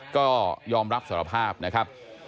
ก็ยอมรับสารภาพนะครับ